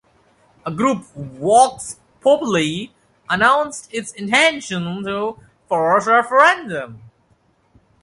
A group "Vox Populi" announced its intention to force referendum.